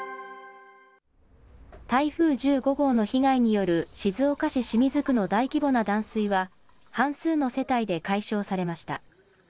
台風１５号の被害による静岡市清水区の大規模な断水は、半数の世帯で解消されました。